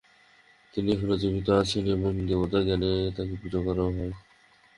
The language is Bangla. তিনি এখনও জীবিত আছেন এবং দেবতা জ্ঞানে তাঁকে পুজো করা হয়।